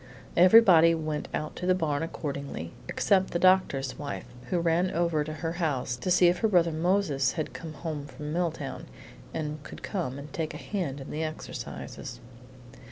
Everybody went out to the barn accordingly, except the doctor's wife, who ran over to her house to see if her brother Moses had come home from Milltown, and could come and take a hand in the exercises.